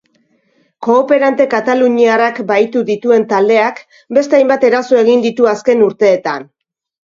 Kooperante kataluniarrak bahitu dituen taldeak beste hainbat eraso egin ditu azken urteetan.